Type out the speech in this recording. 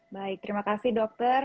baik terima kasih dokter